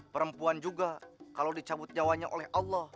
perempuan juga kalau dicabut nyawanya oleh allah